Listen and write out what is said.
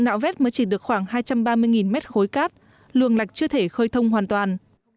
nạo vét mới chỉ được khoảng hai trăm ba mươi mét khối cát luồng lạch chưa thể khơi thông hoàn toàn